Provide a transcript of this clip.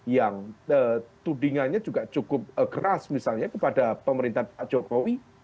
yang tudingannya juga cukup keras misalnya kepada pemerintah pak jokowi